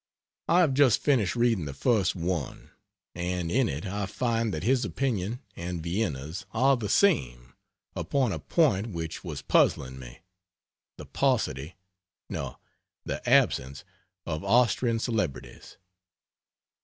I have just finished reading the first one: and in it I find that his opinion and Vienna's are the same, upon a point which was puzzling me the paucity (no, the absence) of Austrian Celebrities.